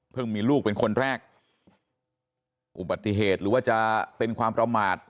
มีลูกเป็นคนแรกอุบัติเหตุหรือว่าจะเป็นความประมาท